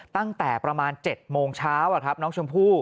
ตั้งแต่ประมาณ๗โมงเช้าน้องชมพู่